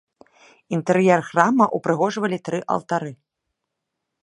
Інтэр'ер храма ўпрыгожвалі тры алтары.